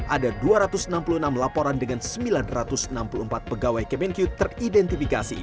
ada dua ratus enam puluh enam laporan dengan sembilan ratus enam puluh empat pegawai kemenq teridentifikasi